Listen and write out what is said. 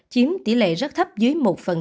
chiếm tỷ lệ rất thấp dưới một